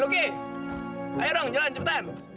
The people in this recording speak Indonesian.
oke ayo dong jalan cepetan